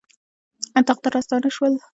اطاق ته راستانه شولو.